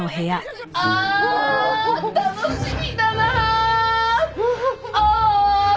ああ楽しみだなあ！